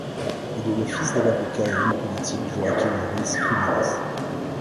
Il est le fils de l'avocat et homme politique Joaquín Ruiz Jiménez.